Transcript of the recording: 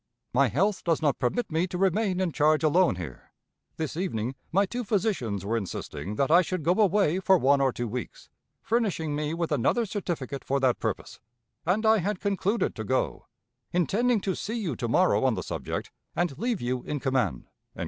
My health does not permit me to remain in charge alone here. This evening my two physicians were insisting that I should go away for one or two weeks, furnishing me with another certificate for that purpose, and I had concluded to go intending to see you to morrow on the subject, and leave you in command."